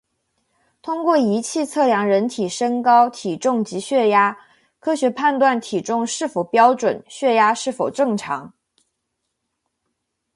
通过仪器测量人体身高、体重及血压，科学判断体重是否标准、血压是否正常